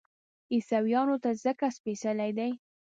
عیسویانو ته ځکه سپېڅلی دی.